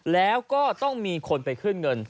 แล้วก็ต้องมีคนไปขึ้นเงิน